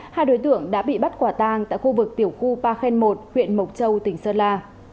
hai đối tượng đã bị bắt quả tang tại khu vực tiểu khu ba khen một huyện mộc châu tỉnh sơn la